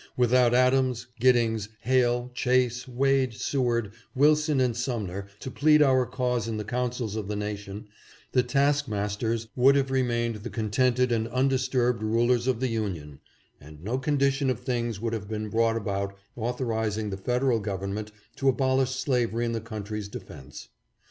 With out Adams, Giddings, Hale, Chase, Wade, Seward, Wil son and Sumner to plead our cause in the councils of the nation, the taskmasters would have remained the contented and undisturbed rulers of the Union, and no condition of things would have been brought about authorizing the Federal Government to abolish slavery in the country's defense.